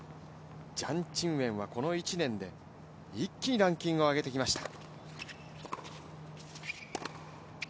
ジャン・チンウェンはこの１年で一気にランキングを上げてきました。